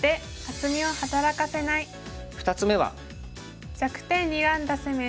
２つ目は。